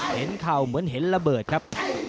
เข่าเหมือนเห็นระเบิดครับ